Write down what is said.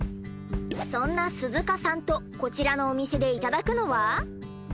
そんな鈴鹿さんとこちらのお店でいただくのは？